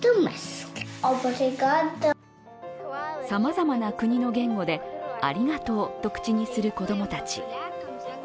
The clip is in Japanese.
さまざまな国の言語でありがとうと口にする子供たち。